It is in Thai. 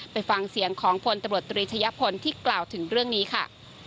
ไปฟังเสียงของพลตำรวจตรีชะยะพลที่กล่าวถึงเรื่องนี้ค่ะ